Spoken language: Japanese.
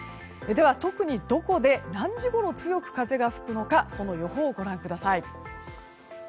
特に、どこで、何時ごろ強く風が吹くのかその予報をご覧ください。